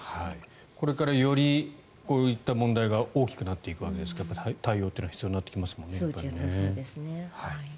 これからよりこういった問題が大きくなっていくわけですから対応というのは必要になってきますもんね。